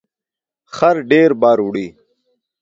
خر ډیر بار وړي